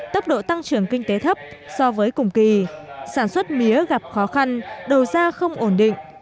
tốc độ tăng trưởng kinh tế thấp so với cùng kỳ sản xuất mía gặp khó khăn đầu ra không ổn định